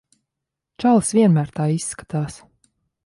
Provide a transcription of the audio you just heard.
Čalis vienmēr tā izskatās.